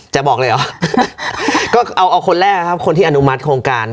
บอกเลยเหรอก็เอาเอาคนแรกครับคนที่อนุมัติโครงการ